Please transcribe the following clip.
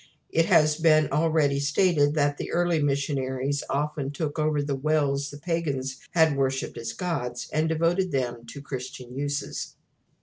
It has been already stated how the early missionaries often took over the wells the pagans had worshipped as gods, and devoted them to Christian uses.